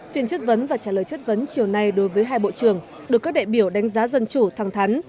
phiên chất vấn và trả lời chất vấn chiều nay đối với hai bộ trưởng được các đại biểu đánh giá dân chủ thẳng thắn